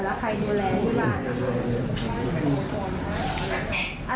แล้วใครดูแลที่บ้าน